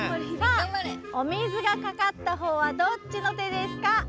さあお水がかかったほうはどっちの手ですか？